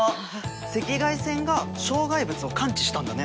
赤外線が障害物を感知したんだね。